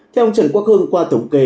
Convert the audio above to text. theo ông trần quốc hương qua thống kê